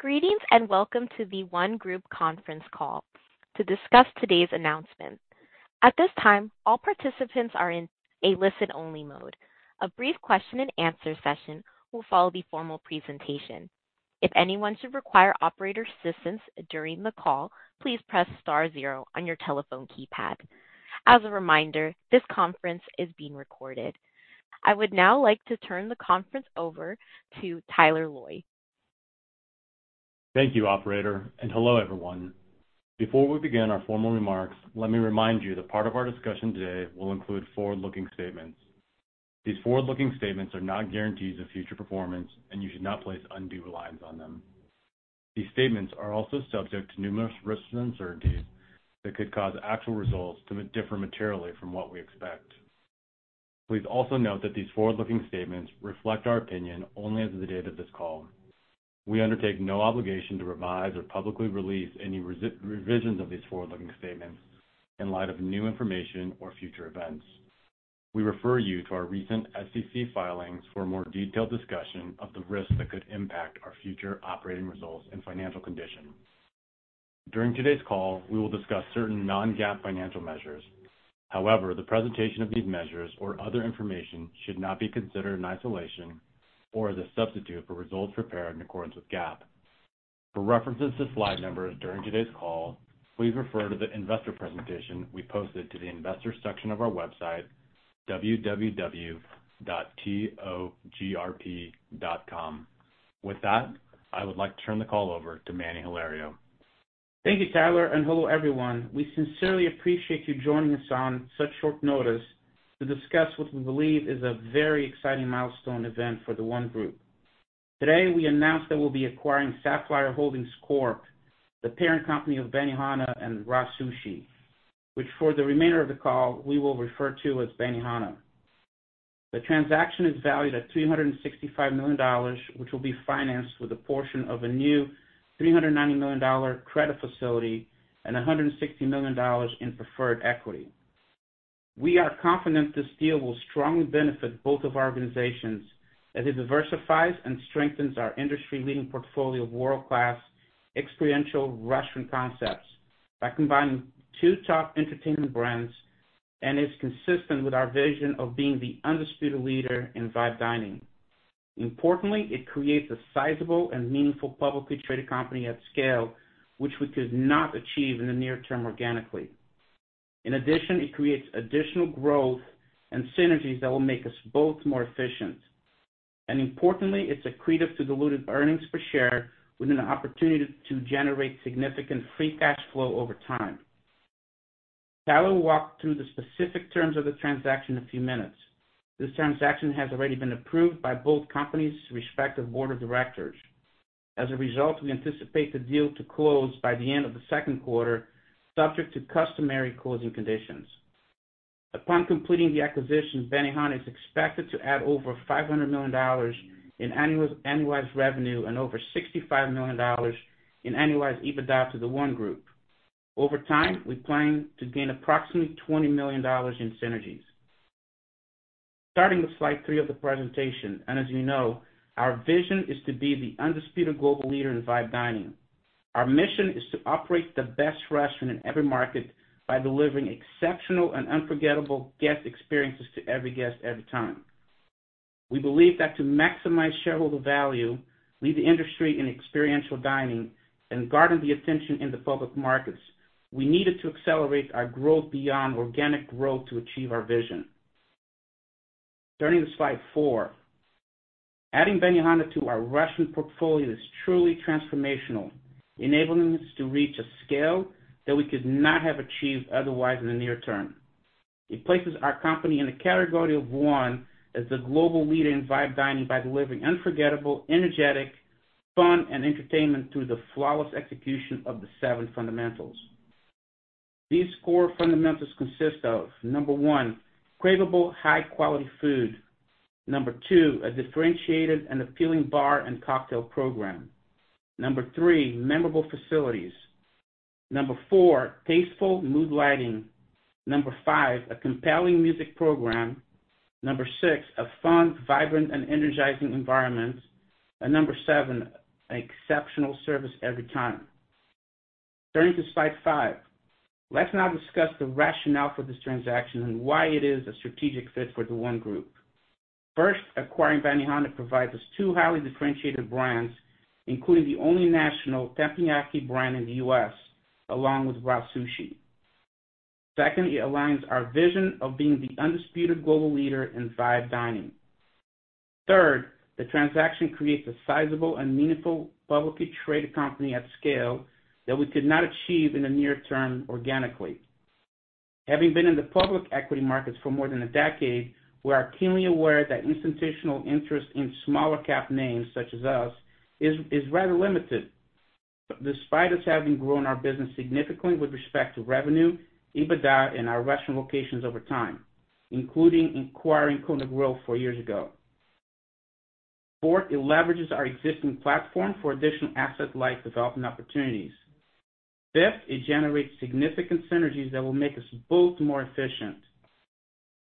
Greetings and welcome to the ONE Group conference call to discuss today's announcement. At this time, all participants are in a listen-only mode. A brief question-and-answer session will follow the formal presentation. If anyone should require operator assistance during the call, please press star zero on your telephone keypad. As a reminder, this conference is being recorded. I would now like to turn the conference over to Tyler Loy. Thank you, Operator, and hello everyone. Before we begin our formal remarks, let me remind you that part of our discussion today will include forward-looking statements. These forward-looking statements are not guarantees of future performance, and you should not place undue reliance on them. These statements are also subject to numerous risks and uncertainties that could cause actual results to differ materially from what we expect. Please also note that these forward-looking statements reflect our opinion only as of the date of this call. We undertake no obligation to revise or publicly release any revisions of these forward-looking statements in light of new information or future events. We refer you to our recent SEC filings for a more detailed discussion of the risks that could impact our future operating results and financial condition. During today's call, we will discuss certain non-GAAP financial measures. However, the presentation of these measures or other information should not be considered in isolation or as a substitute for results prepared in accordance with GAAP. For references to slide numbers during today's call, please refer to the investor presentation we posted to the investors section of our website, www.togrp.com. With that, I would like to turn the call over to Manny Hilario. Thank you, Tyler, and hello everyone. We sincerely appreciate you joining us on such short notice to discuss what we believe is a very exciting milestone event for The ONE Group. Today, we announced that we'll be acquiring Saffire Holdings Corp, the parent company of Benihana and RA Sushi, which for the remainder of the call, we will refer to as Benihana. The transaction is valued at $365 million, which will be financed with a portion of a new $390 million credit facility and $160 million in preferred equity. We are confident this deal will strongly benefit both of our organizations as it diversifies and strengthens our industry-leading portfolio of world-class, experiential, restaurant concepts by combining two top entertainment brands and is consistent with our vision of being the undisputed leader in Vibe Dining. Importantly, it creates a sizable and meaningful publicly traded company at scale, which we could not achieve in the near term organically. In addition, it creates additional growth and synergies that will make us both more efficient. Importantly, it's accretive to diluted earnings per share with an opportunity to generate significant free cash flow over time. Tyler will walk through the specific terms of the transaction in a few minutes. This transaction has already been approved by both companies' respective board of directors. As a result, we anticipate the deal to close by the end of the second quarter, subject to customary closing conditions. Upon completing the acquisition, Benihana is expected to add over $500 million in annualized revenue and over $65 million in annualized EBITDA to the ONE Group. Over time, we plan to gain approximately $20 million in synergies. Starting with slide three of the presentation, and as you know, our vision is to be the undisputed global leader in Vibe Dining. Our mission is to operate the best restaurant in every market by delivering exceptional and unforgettable guest experiences to every guest every time. We believe that to maximize shareholder value, lead the industry in experiential dining, and garner the attention in the public markets, we needed to accelerate our growth beyond organic growth to achieve our vision. Turning to slide four, adding Benihana to our restaurant portfolio is truly transformational, enabling us to reach a scale that we could not have achieved otherwise in the near term. It places our company in the category of one as the global leader in Vibe Dining by delivering unforgettable, energetic, fun, and entertainment through the flawless execution of the seven fundamentals. These core fundamentals consist of, number one, cravable, high-quality food. Number two, a differentiated and appealing bar and cocktail program. Number three, memorable facilities. Number four, tasteful, mood-lighting. Number five, a compelling music program. Number six, a fun, vibrant, and energizing environment. And number seven, an exceptional service every time. Turning to slide five, let's now discuss the rationale for this transaction and why it is a strategic fit for the ONE Group. First, acquiring Benihana provides us two highly differentiated brands, including the only national teppanyaki brand in the U.S., along with RA Sushi. Second, it aligns our vision of being the undisputed global leader in vibe dining. Third, the transaction creates a sizable and meaningful publicly traded company at scale that we could not achieve in the near term organically. Having been in the public equity markets for more than a decade, we are keenly aware that institutional interest in smaller-cap names such as us is rather limited, despite us having grown our business significantly with respect to revenue, EBITDA, and our restaurant locations over time, including acquiring Kona Grill four years ago. Fourth, it leverages our existing platform for additional asset-light development opportunities. Fifth, it generates significant synergies that will make us both more efficient.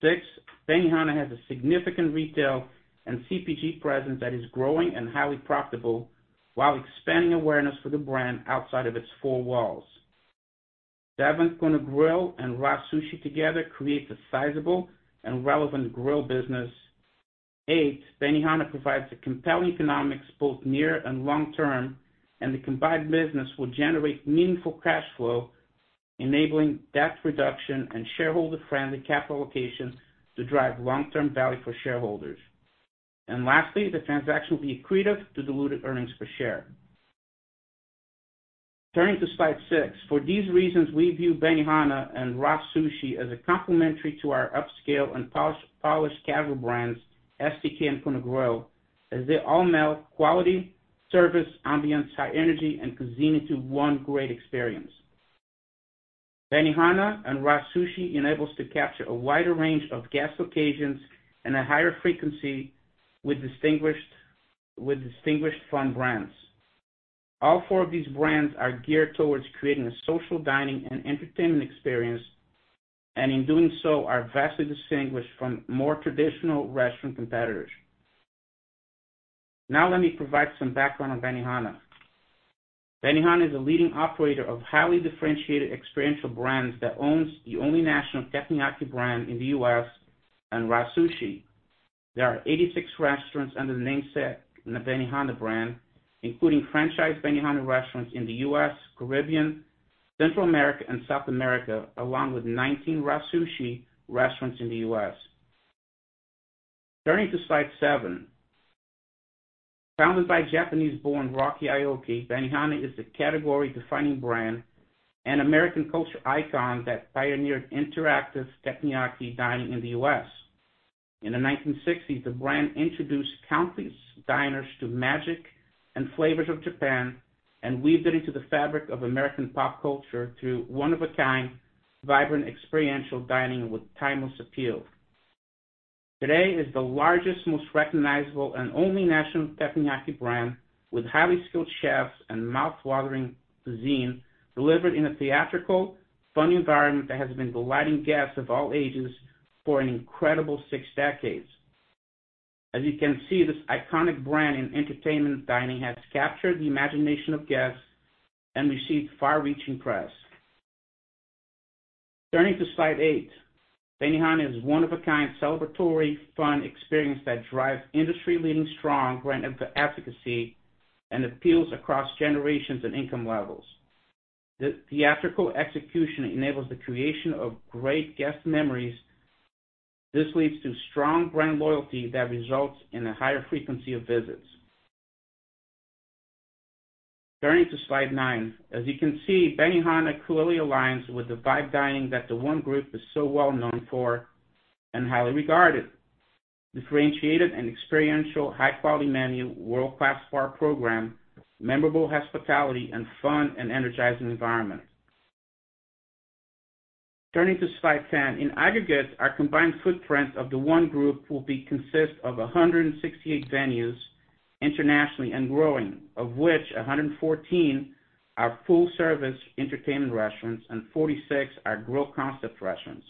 Sixth, Benihana has a significant retail and CPG presence that is growing and highly profitable while expanding awareness for the brand outside of its four walls. Seventh, Kona Grill and RA Sushi together create a sizable and relevant grill business. Eighth, Benihana provides a compelling economics both near and long term, and the combined business will generate meaningful cash flow, enabling debt reduction and shareholder-friendly capital allocation to drive long-term value for shareholders. Lastly, the transaction will be accretive to diluted earnings per share. Turning to slide six, for these reasons, we view Benihana and RA Sushi as a complement to our upscale and polished casual brands, STK and Kona Grill, as they all meld quality, service, ambiance, high energy, and cuisine into one great experience. Benihana and RA Sushi enable us to capture a wider range of guest occasions and a higher frequency with distinguished fun brands. All four of these brands are geared towards creating a social dining and entertainment experience, and in doing so, are vastly distinguished from more traditional restaurant competitors. Now let me provide some background on Benihana. Benihana is a leading operator of highly differentiated experiential brands that owns the only national teppanyaki brand in the U.S., and RA Sushi. There are 86 restaurants under the namesake Benihana brand, including franchised Benihana restaurants in the U.S., Caribbean, Central America, and South America, along with 19 RA Sushi restaurants in the U.S. Turning to slide seven, founded by Japanese-born Rocky Aoki, Benihana is a category-defining brand and American culture icon that pioneered interactive teppanyaki dining in the U.S. In the 1960s, the brand introduced countless diners to magic and flavors of Japan and weaved it into the fabric of American pop culture through one-of-a-kind, vibrant experiential dining with timeless appeal. Today is the largest, most recognizable, and only national teppanyaki brand with highly skilled chefs and mouthwatering cuisine delivered in a theatrical, funny environment that has been delighting guests of all ages for an incredible six decades. As you can see, this iconic brand in entertainment dining has captured the imagination of guests and received far-reaching press. Turning to slide 8, Benihana is one-of-a-kind, celebratory, fun experience that drives industry-leading strong brand advocacy and appeals across generations and income levels. The theatrical execution enables the creation of great guest memories. This leads to strong brand loyalty that results in a higher frequency of visits. Turning to slide nine, as you can see, Benihana clearly aligns with the Vibe Dining that the ONE Group is so well known for and highly regarded: differentiated and experiential, high-quality menu, world-class bar program, memorable hospitality, and fun and energizing environment. Turning to slide 10, in aggregate, our combined footprint of the ONE Group will consist of 168 venues internationally and growing, of which 114 are full-service entertainment restaurants and 46 are grill concept restaurants.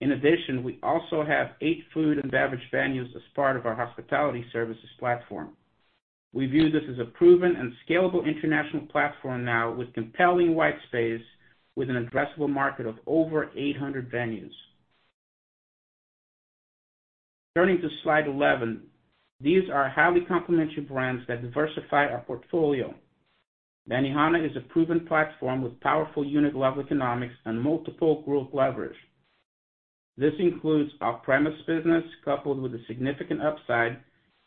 In addition, we also have eight food and beverage venues as part of our hospitality services platform. We view this as a proven and scalable international platform now with compelling white space, with an addressable market of over 800 venues. Turning to slide 11, these are highly complementary brands that diversify our portfolio. Benihana is a proven platform with powerful unit-level economics and multiple growth levers. This includes off-premise business coupled with a significant upside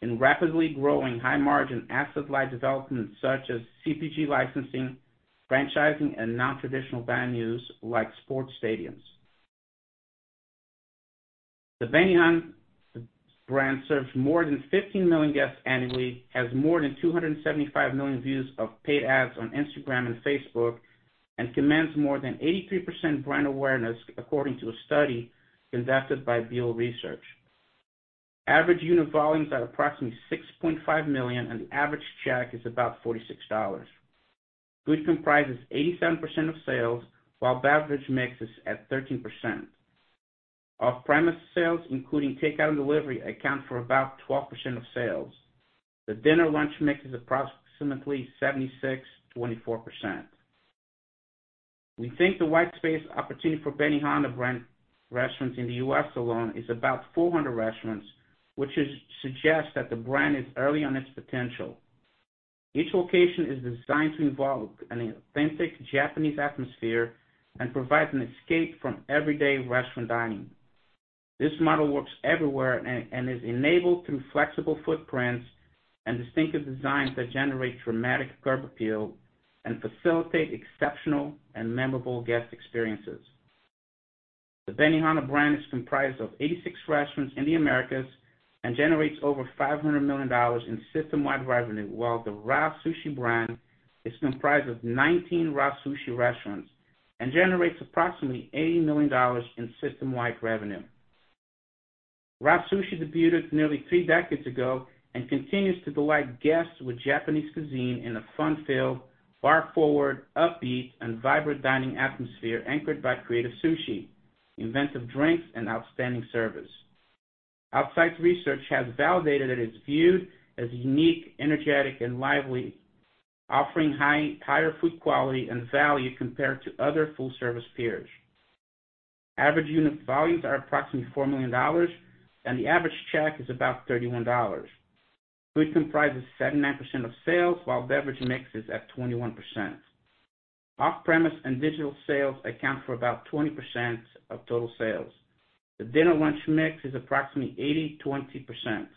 in rapidly growing high-margin asset-like developments such as CPG licensing, franchising, and non-traditional venues like sports stadiums. The Benihana brand serves more than 15 million guests annually, has more than 275 million views of paid ads on Instagram and Facebook, and commands more than 83% brand awareness according to a study conducted by Beall Research. Average unit volumes are approximately $6.5 million, and the average check is about $46. Food comprises 87% of sales, while beverage mix is at 13%. Off-premise sales, including takeout and delivery, account for about 12% of sales. The dinner-lunch mix is approximately 76%-24%. We think the white space opportunity for Benihana brand restaurants in the U.S. alone is about 400 restaurants, which suggests that the brand is early on its potential. Each location is designed to involve an authentic Japanese atmosphere and provide an escape from everyday restaurant dining. This model works everywhere and is enabled through flexible footprints and distinctive designs that generate dramatic curb appeal and facilitate exceptional and memorable guest experiences. The Benihana brand is comprised of 86 restaurants in the Americas and generates over $500 million in system-wide revenue, while the RA Sushi brand is comprised of 19 RA Sushi restaurants and generates approximately $80 million in system-wide revenue. RA Sushi debuted nearly three decades ago and continues to delight guests with Japanese cuisine in a fun-filled, bar-forward, upbeat, and vibrant dining atmosphere anchored by creative sushi, inventive drinks, and outstanding service. Beall's research has validated that it is viewed as unique, energetic, and lively, offering higher food quality and value compared to other full-service peers. Average unit volumes are approximately $4 million, and the average check is about $31. Food comprises 79% of sales, while beverage mix is at 21%. Off-premise and digital sales account for about 20% of total sales. The dinner-lunch mix is approximately 80%-20%.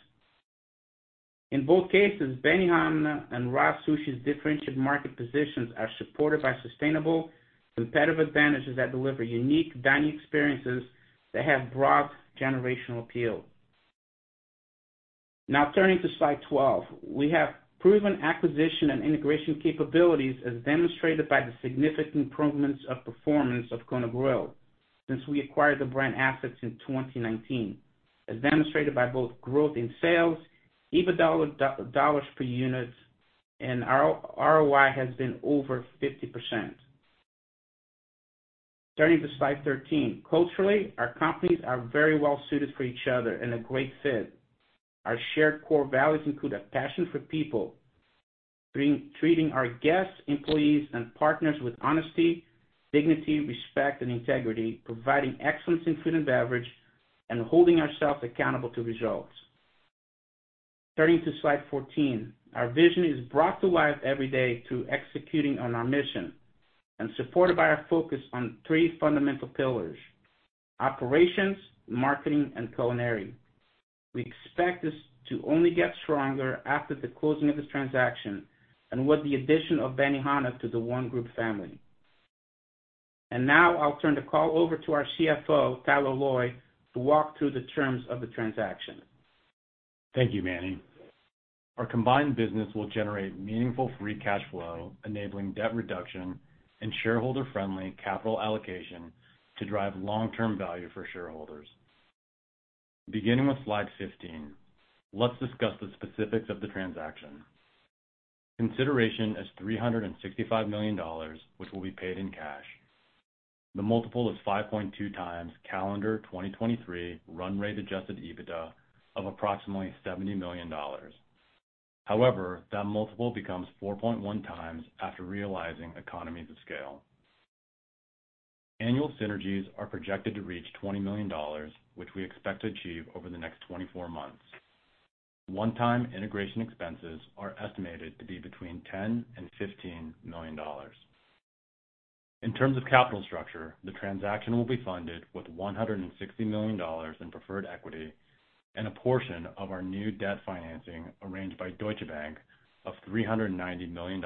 In both cases, Benihana and RA Sushi's differentiated market positions are supported by sustainable, competitive advantages that deliver unique dining experiences that have broad generational appeal. Now turning to slide 12, we have proven acquisition and integration capabilities as demonstrated by the significant improvements of performance of Kona Grill since we acquired the brand assets in 2019, as demonstrated by both growth in sales, EBITDA dollars per unit, and ROI has been over 50%. Turning to slide 13, culturally, our companies are very well-suited for each other and a great fit. Our shared core values include a passion for people, treating our guests, employees, and partners with honesty, dignity, respect, and integrity, providing excellence in food and beverage, and holding ourselves accountable to results. Turning to slide 14, our vision is brought to life every day through executing on our mission and supported by our focus on three fundamental pillars: operations, marketing, and culinary. We expect this to only get stronger after the closing of this transaction and with the addition of Benihana to the ONE Group family. Now I'll turn the call over to our CFO, Tyler Loy, to walk through the terms of the transaction. Thank you, Manny. Our combined business will generate meaningful free cash flow, enabling debt reduction and shareholder-friendly capital allocation to drive long-term value for shareholders. Beginning with Slide 15, let's discuss the specifics of the transaction. Consideration is $365 million, which will be paid in cash. The multiple is 5.2x calendar 2023 run-rate Adjusted EBITDA of approximately $70 million. However, that multiple becomes 4.1x after realizing economies of scale. Annual synergies are projected to reach $20 million, which we expect to achieve over the next 24 months. One-time integration expenses are estimated to be between $10 and $15 million. In terms of capital structure, the transaction will be funded with $160 million in preferred equity and a portion of our new debt financing arranged by Deutsche Bank of $390 million,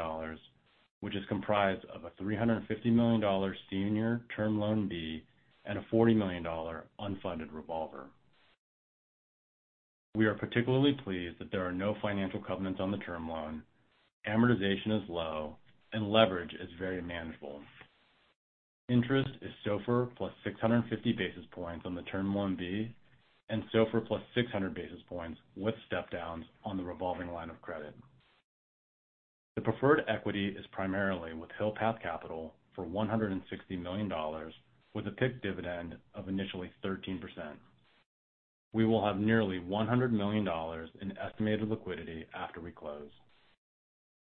which is comprised of a $350 million Senior Term Loan B and a $40 million unfunded revolver. We are particularly pleased that there are no financial covenants on the term loan, amortization is low, and leverage is very manageable. Interest is SOFR plus 650 basis points on the term loan B and SOFR plus 600 basis points with step-downs on the revolving line of credit. The preferred equity is primarily with Hill path Capital for $160 million, with a PIK dividend of initially 13%. We will have nearly $100 million in estimated liquidity after we close.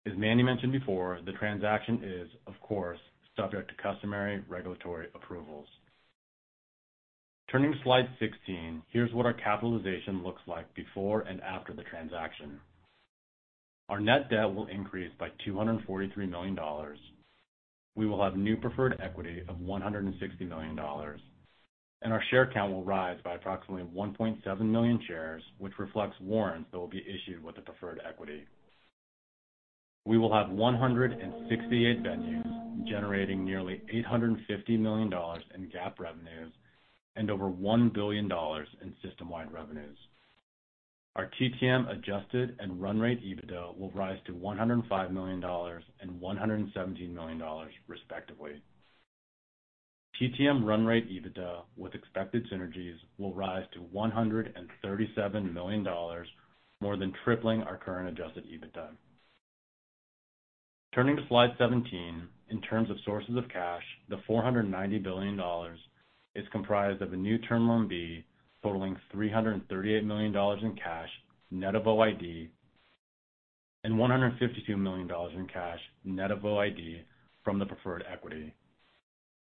As Manny mentioned before, the transaction is, of course, subject to customary regulatory approvals. Turning to slide 16, here's what our capitalization looks like before and after the transaction. Our net debt will increase by $243 million. We will have new preferred equity of $160 million, and our share count will rise by approximately 1.7 million shares, which reflects warrants that will be issued with the preferred equity. We will have 168 venues generating nearly $850 million in GAAP revenues and over $1 billion in system-wide revenues. Our TTM adjusted and run-rate EBITDA will rise to $105 million and $117 million, respectively. TTM run-rate EBITDA with expected synergies will rise to $137 million, more than tripling our current adjusted EBITDA. Turning to slide 17, in terms of sources of cash, the $490 million is comprised of a new term loan B totaling $338 million in cash net of OID and $152 million in cash net of OID from the preferred equity.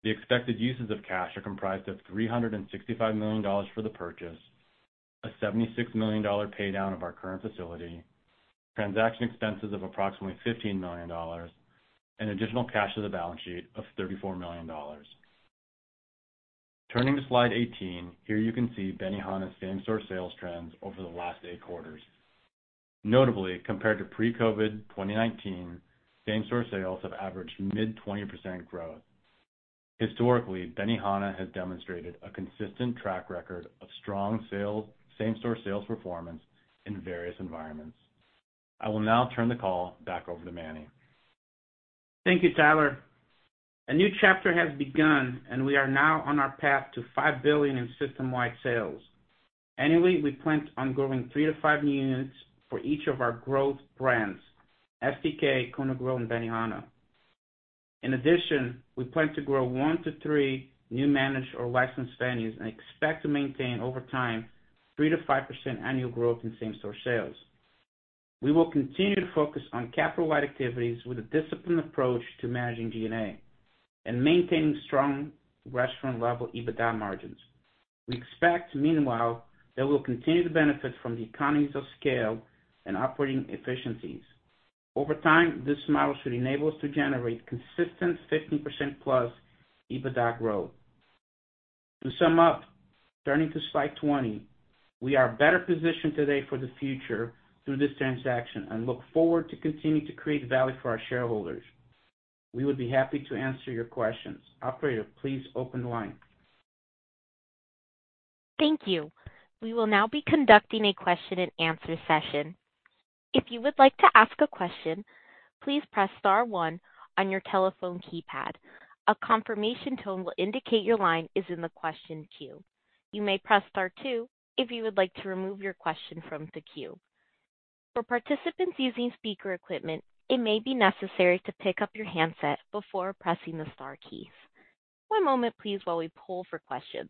The expected uses of cash are comprised of $365 million for the purchase, a $76 million paydown of our current facility, transaction expenses of approximately $15 million, and additional cash to the balance sheet of $34 million. Turning to slide 18, here you can see Benihanas same-store sales trends over the last eight quarters. Notably, compared to pre-COVID-2019, same-store sales have averaged mid-20% growth. Historically, Benihana has demonstrated a consistent track record of strong same-store sales performance in various environments. I will now turn the call back over to Manny. Thank you, Tyler. A new chapter has begun, and we are now on our path to $5 billion in system-wide sales. Annually, we plan on growing three to five new units for each of our growth brands, STK, Kona Grill, and Benihana. In addition, we plan to grow one to three new managed or licensed venues and expect to maintain over time 3%-5% annual growth in same-store sales. We will continue to focus on capital allocation activities with a disciplined approach to managing G&A and maintaining strong restaurant-level EBITDA margins. We expect, meanwhile, that we'll continue to benefit from the economies of scale and operating efficiencies. Over time, this model should enable us to generate consistent 15%+ EBITDA growth. To sum up, turning to slide 20, we are better positioned today for the future through this transaction and look forward to continuing to create value for our shareholders. We would be happy to answer your questions. Operator, please open the line. Thank you. We will now be conducting a question-and-answer session. If you would like to ask a question, please press star one on your telephone keypad. A confirmation tone will indicate your line is in the question queue. You may press star two if you would like to remove your question from the queue. For participants using speaker equipment, it may be necessary to pick up your handset before pressing the star keys. One moment, please, while we pull for questions.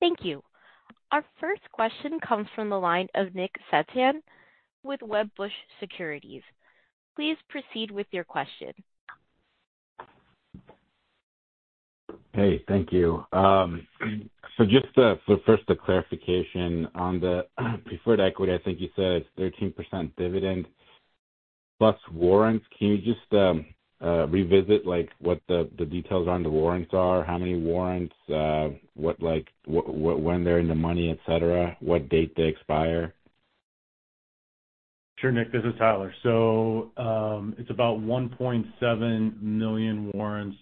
Thank you. Our first question comes from the line of Nick Setyan with Wedbush Securities. Please proceed with your question. Hey, thank you. So just first, a clarification. On the preferred equity, I think you said it's 13% dividend plus warrants. Can you just revisit what the details on the warrants are, how many warrants, when they're in the money, etc., what date they expire? Sure, Nick. This is Tyler. So it's about 1.7 million warrants.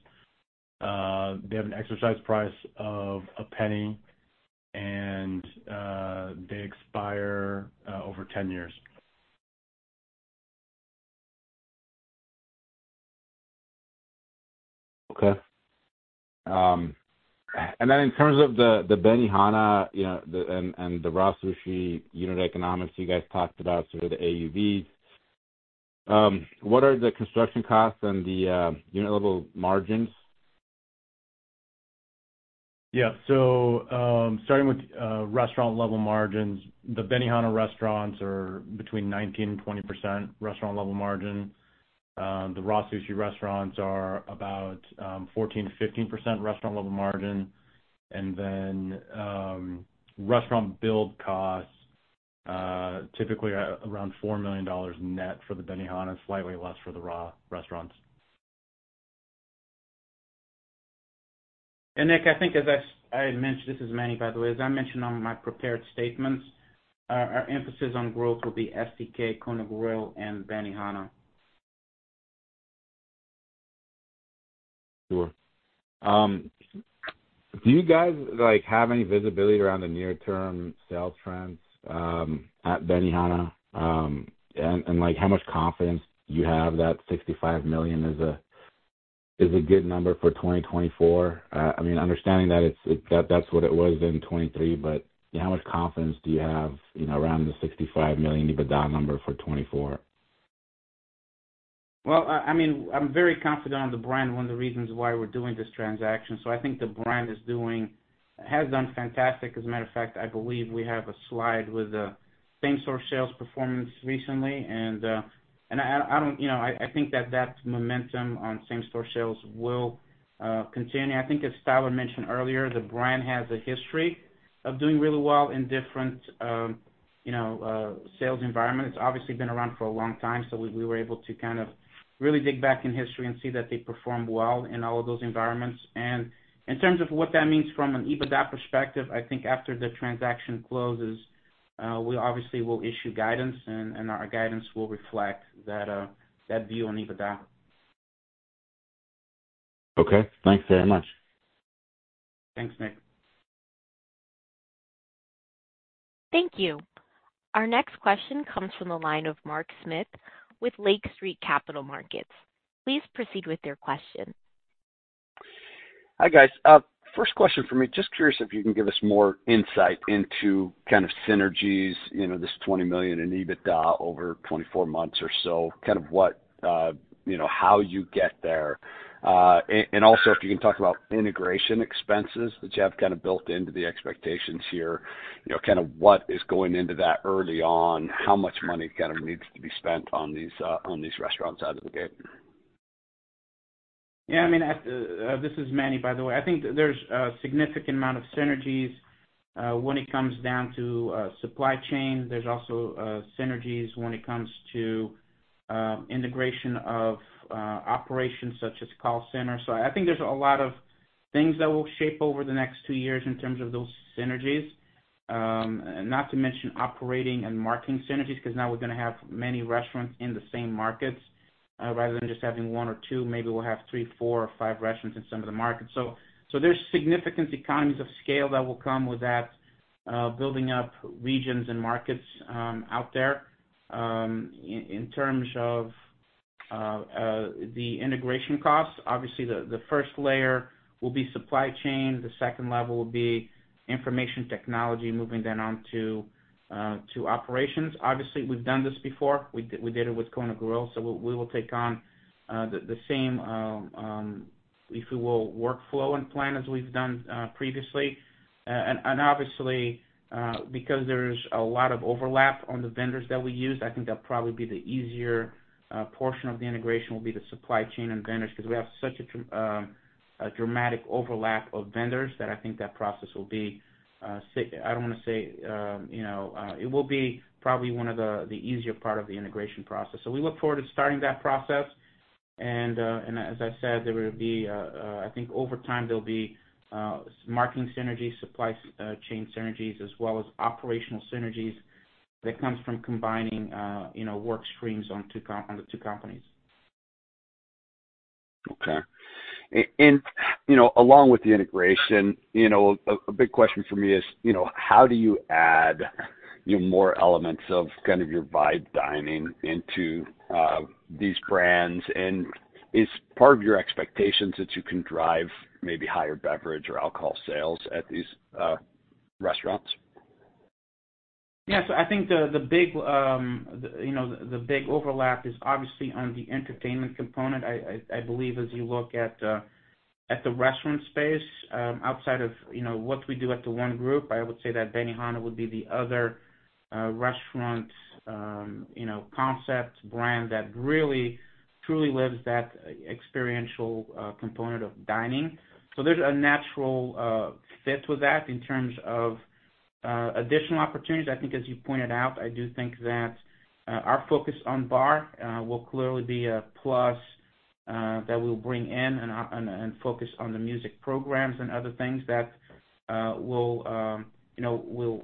They have an exercise price of $0.01, and they expire over 10 years. Okay. And then in terms of the Benihana and the RA Sushi unit economics you guys talked about, sort of the AUVs, what are the construction costs and the unit-level margins? Yeah. So starting with restaurant-level margins, the Benihana restaurants are between 19%-20% restaurant-level margin. The RA Sushi restaurants are about 14%-15% restaurant-level margin. And then restaurant build costs, typically around $4 million net for the Benihana, slightly less for the RA restaurants. Nick, I think as I mentioned this is Manny, by the way. As I mentioned on my prepared statements, our emphasis on growth will be STK, Kona Grill, and Benihana. Sure. Do you guys have any visibility around the near-term sales trends at Benihana and how much confidence you have that $65 million is a good number for 2024? I mean, understanding that that's what it was in 2023, but how much confidence do you have around the $65 million EBITDA number for 2024? Well, I mean, I'm very confident on the brand, one of the reasons why we're doing this transaction. So I think the brand has done fantastic. As a matter of fact, I believe we have a slide with the same-store sales performance recently. And I don't think that momentum on same-store sales will continue. I think, as Tyler mentioned earlier, the brand has a history of doing really well in different sales environments. It's obviously been around for a long time, so we were able to kind of really dig back in history and see that they performed well in all of those environments. And in terms of what that means from an EBITDA perspective, I think after the transaction closes, we obviously will issue guidance, and our guidance will reflect that view on EBITDA. Okay. Thanks very much. Thanks, Nick. Thank you. Our next question comes from the line of Mark Smith with Lake Street Capital Markets. Please proceed with your question. Hi, guys. First question for me, just curious if you can give us more insight into kind of synergies, this $20 million in EBITDA over 24 months or so, kind of how you get there. And also, if you can talk about integration expenses that you have kind of built into the expectations here, kind of what is going into that early on, how much money kind of needs to be spent on these restaurants out of the gate. Yeah. I mean, this is Manny, by the way. I think there's a significant amount of synergies when it comes down to supply chain. There's also synergies when it comes to integration of operations such as call center. So I think there's a lot of things that will shape over the next two years in terms of those synergies, not to mention operating and marketing synergies because now we're going to have many restaurants in the same markets. Rather than just having one or two, maybe we'll have three, four or five restaurants in some of the markets. So there's significant economies of scale that will come with that building up regions and markets out there. In terms of the integration costs, obviously, the first layer will be supply chain. The second level will be information technology, moving then on to operations. Obviously, we've done this before. We did it with Kona Grill. So we will take on the same workflow and plan as we've done previously. And obviously, because there's a lot of overlap on the vendors that we use, I think that'll probably be the easier portion of the integration, which will be the supply chain and vendors because we have such a dramatic overlap of vendors that I think that process will be. I don't want to say it will be probably one of the easier parts of the integration process. So we look forward to starting that process. And as I said, there will be, I think over time, there'll be marketing synergies, supply chain synergies, as well as operational synergies that come from combining work streams on the two companies. Okay. Along with the integration, a big question for me is, how do you add more elements of kind of your Vibe Dining into these brands? Is part of your expectations that you can drive maybe higher beverage or alcohol sales at these restaurants? Yeah. So I think the big overlap is obviously on the entertainment component. I believe, as you look at the restaurant space, outside of what we do at The ONE Group, I would say that Benihana would be the other restaurant concept brand that really, truly lives that experiential component of dining. So there's a natural fit with that in terms of additional opportunities. I think, as you pointed out, I do think that our focus on bar will clearly be a plus that we'll bring in and focus on the music programs and other things that will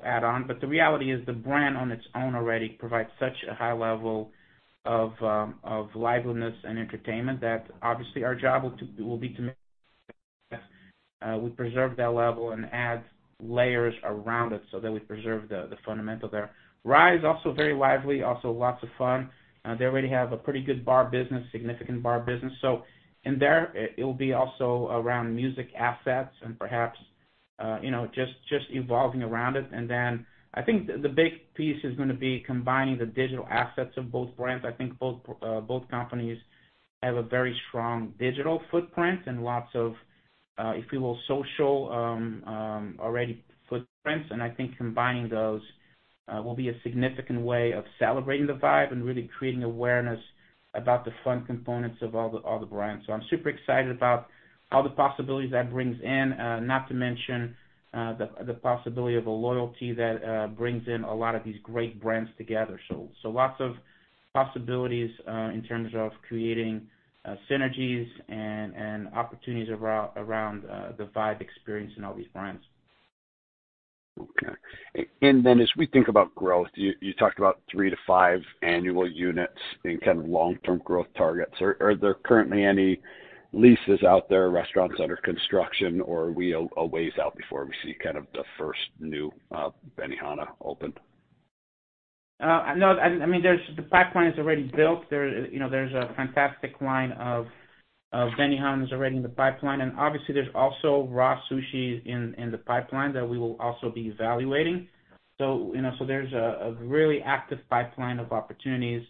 add on. But the reality is the brand on its own already provides such a high level of liveliness and entertainment that obviously, our job will be to make sure that we preserve that level and add layers around it so that we preserve the fundamental there. RA's also very lively, also lots of fun. They already have a pretty good bar business, significant bar business. So in there, it'll be also around music assets and perhaps just evolving around it. And then I think the big piece is going to be combining the digital assets of both brands. I think both companies have a very strong digital footprint and lots of, if we will, social already footprints. And I think combining those will be a significant way of celebrating the vibe and really creating awareness about the fun components of all the brands. So I'm super excited about all the possibilities that brings in, not to mention the possibility of a loyalty that brings in a lot of these great brands together. So lots of possibilities in terms of creating synergies and opportunities around the vibe experience in all these brands. Okay. And then as we think about growth, you talked about 3-5 annual units and kind of long-term growth targets. Are there currently any leases out there, restaurants under construction, or are we a ways out before we see kind of the first new Benihana open? No. I mean, the pipeline is already built. There's a fantastic line of Benihana's already in the pipeline. And obviously, there's also RA Sushi in the pipeline that we will also be evaluating. So there's a really active pipeline of opportunities.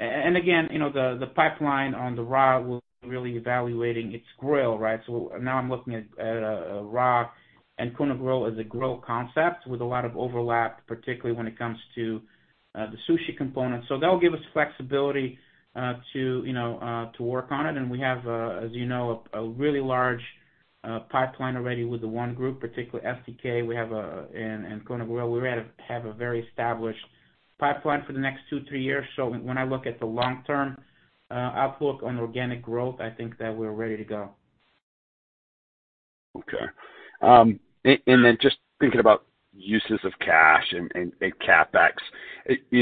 And again, the pipeline on the RA, we'll be really evaluating its grill, right? So now I'm looking at a RA, and Kona Grill is a grill concept with a lot of overlap, particularly when it comes to the sushi component. So that'll give us flexibility to work on it. And we have, as you know, a really large pipeline already with the ONE Group, particularly STK, we have, and Kona Grill. We already have a very established pipeline for the next two, three years. So when I look at the long-term outlook on organic growth, I think that we're ready to go. Okay. Then just thinking about uses of cash and CapEx,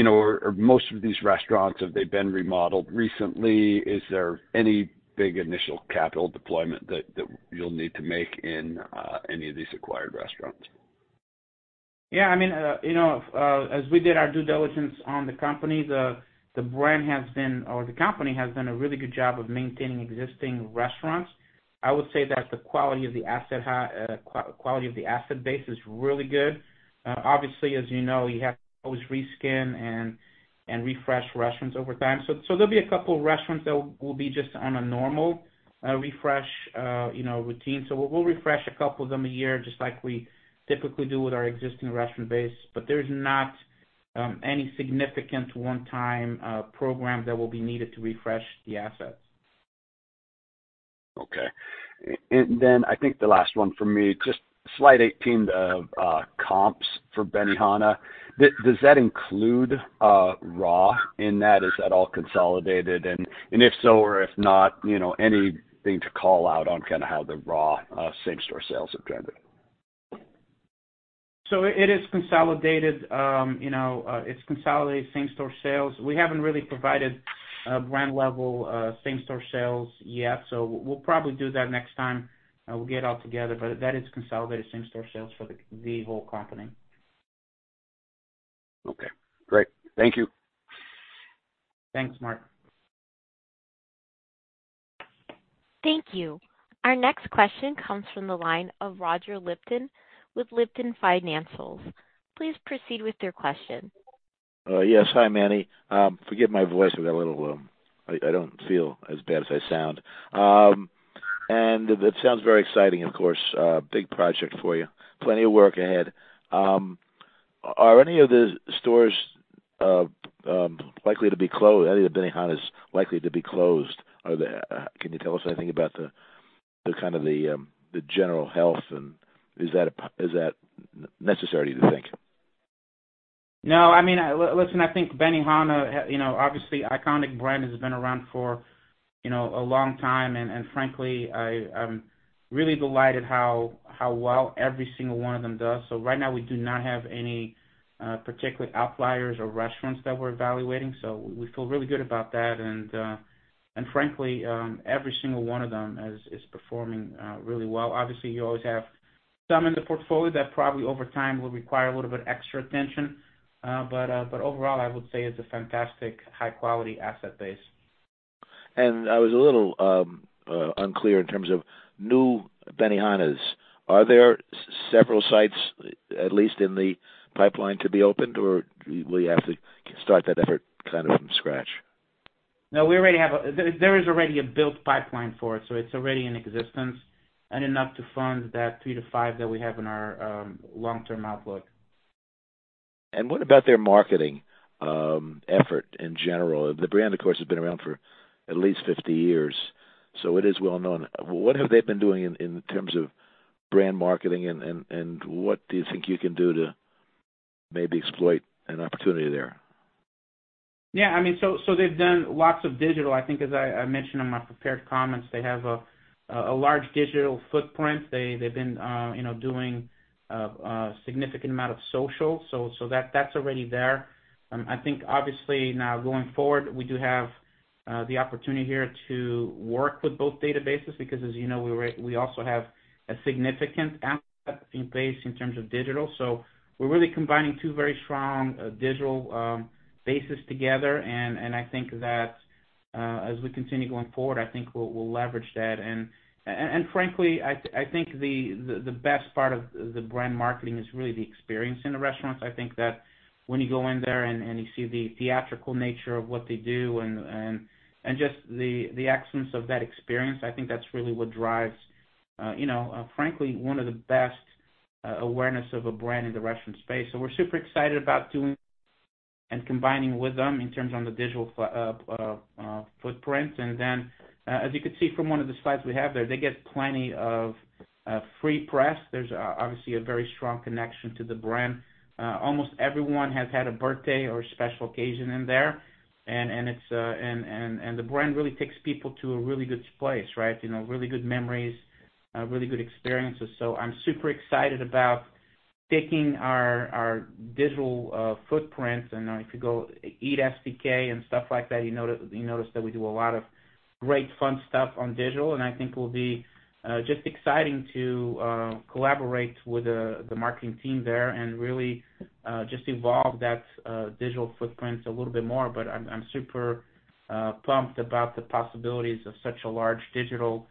are most of these restaurants, have they been remodeled recently? Is there any big initial capital deployment that you'll need to make in any of these acquired restaurants? Yeah. I mean, as we did our due diligence on the companies, the brand has been or the company has done a really good job of maintaining existing restaurants. I would say that the quality of the asset quality of the asset base is really good. Obviously, as you know, you have to always reskin and refresh restaurants over time. So there'll be a couple of restaurants that will be just on a normal refresh routine. So we'll refresh a couple of them a year just like we typically do with our existing restaurant base. But there's not any significant one-time program that will be needed to refresh the assets. Okay. And then I think the last one for me, just slide 18 of comps for Benihana. Does that include RA in that? Is that all consolidated? And if so, or if not, anything to call out on kind of how the RA same-store sales have trended? So it is consolidated. It's consolidated same-store sales. We haven't really provided brand-level same-store sales yet. So we'll probably do that next time. We'll get it all together. But that is consolidated same-store sales for the whole company. Okay. Great. Thank you. Thanks, Mark. Thank you. Our next question comes from the line of Roger Lipton with Lipton Financial Services. Please proceed with your question. Yes. Hi, Manny. Forgive my voice. I got a little. I don't feel as bad as I sound. And that sounds very exciting, of course, big project for you, plenty of work ahead. Are any of the stores likely to be closed? Any of Benihana's likely to be closed? Can you tell us anything about kind of the general health, and is that necessary, you think? No. I mean, listen, I think Benihana, obviously, iconic brand has been around for a long time. And frankly, I'm really delighted how well every single one of them does. So right now, we do not have any particular outliers or restaurants that we're evaluating. So we feel really good about that. And frankly, every single one of them is performing really well. Obviously, you always have some in the portfolio that probably over time will require a little bit extra attention. But overall, I would say it's a fantastic, high-quality asset base. I was a little unclear in terms of new Benihanas. Are there several sites, at least in the pipeline, to be opened, or will you have to start that effort kind of from scratch? No. We already have. There is already a built pipeline for it. So it's already in existence and enough to fund that three to five that we have in our long-term outlook. What about their marketing effort in general? The brand, of course, has been around for at least 50 years, so it is well-known. What have they been doing in terms of brand marketing, and what do you think you can do to maybe exploit an opportunity there? Yeah. I mean, so they've done lots of digital. I think, as I mentioned in my prepared comments, they have a large digital footprint. They've been doing a significant amount of social, so that's already there. I think, obviously, now going forward, we do have the opportunity here to work with both databases because, as you know, we also have a significant asset base in terms of digital. So we're really combining two very strong digital bases together. And I think that as we continue going forward, I think we'll leverage that. And frankly, I think the best part of the brand marketing is really the experience in the restaurants. I think that when you go in there and you see the theatrical nature of what they do and just the excellence of that experience, I think that's really what drives, frankly, one of the best awareness of a brand in the restaurant space. So we're super excited about doing and combining with them in terms of the digital footprint. And then, as you could see from one of the slides we have there, they get plenty of free press. There's obviously a very strong connection to the brand. Almost everyone has had a birthday or special occasion in there. And the brand really takes people to a really good place, right, really good memories, really good experiences. So I'm super excited about taking our digital footprint. And if you go eat STK and stuff like that, you notice that we do a lot of great, fun stuff on digital. I think it will be just exciting to collaborate with the marketing team there and really just evolve that digital footprint a little bit more. But I'm super pumped about the possibilities of such a large digital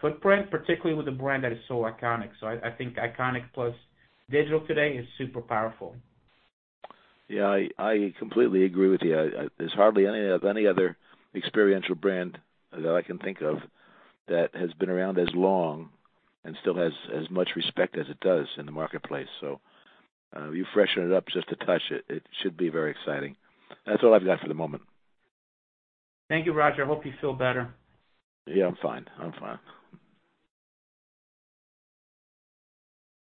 footprint, particularly with a brand that is so iconic. So I think iconic plus digital today is super powerful. Yeah. I completely agree with you. There's hardly any of any other experiential brand that I can think of that has been around as long and still has as much respect as it does in the marketplace. So you freshened it up just to touch it. It should be very exciting. That's all I've got for the moment. Thank you, Roger. I hope you feel better. Yeah. I'm fine. I'm fine.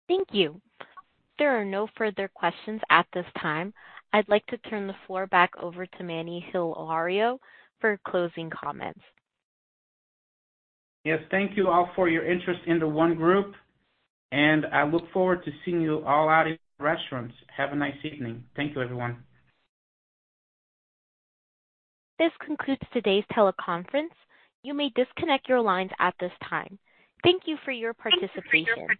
Thank you. There are no further questions at this time. I'd like to turn the floor back over to Manny Hilario for closing comments. Yes. Thank you all for your interest in The ONE Group. I look forward to seeing you all out in restaurants. Have a nice evening. Thank you, everyone. This concludes today's teleconference. You may disconnect your lines at this time. Thank you for your participation.